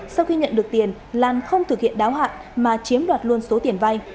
sau khi nhận được tiền lan không thực hiện đáo hạn mà chiếm đoạt luôn số tiền vay